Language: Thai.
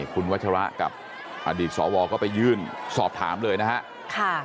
คุณวัชระกับอดีตสวก็ไปยื่นสอบถามเลยนะครับ